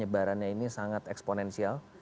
penyebarannya ini sangat eksponensial